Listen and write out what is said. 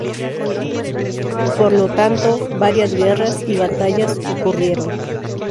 Por lo tanto, varias guerras y batallas ocurrieron.